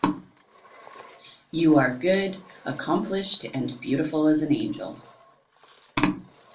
You are good, accomplished, and beautiful as an angel.